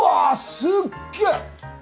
すっげえ！